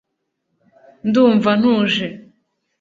ndumva ntuje